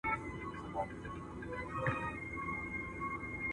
زه اوږده وخت لیکل کوم؟